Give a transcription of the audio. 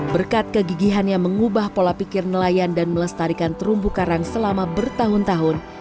berkat kegigihannya mengubah pola pikir nelayan dan melestarikan terumbu karang selama bertahun tahun